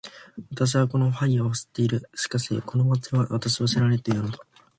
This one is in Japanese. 私はこのハイファを知っている。しかしこの町は私を知らないと言うのだ